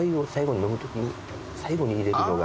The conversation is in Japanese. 最後に入れるのが。